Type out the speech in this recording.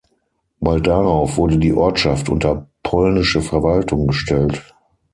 Bald darauf wurde die Ortschaft unter polnische Verwaltung gestellt.